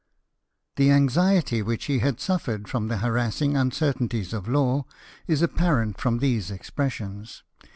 The anxiety which he had suffered from the harassing uncertainties of law, is apparent from these expressions.